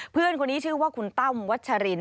เพื่อนคนนี้ชื่อว่าคุณตั้มวัชริน